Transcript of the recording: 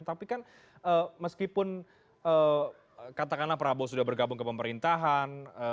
tapi kan meskipun katakanlah prabowo sudah bergabung ke pemerintahan